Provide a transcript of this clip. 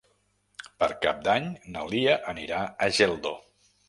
Per Cap d'Any na Lia anirà a Geldo.